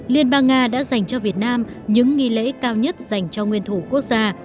liên bang nga đã dành cho việt nam những nghi lễ cao nhất dành cho nguyên thủ quốc gia